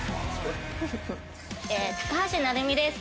高橋成美です。